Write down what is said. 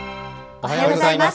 おはようございます。